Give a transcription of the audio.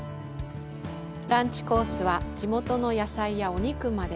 ランチコースは地元の野菜やお肉まで。